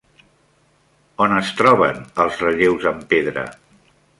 On es troben els relleus en pedra?